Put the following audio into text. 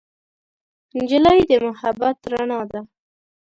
نجلۍ د محبت رڼا ده.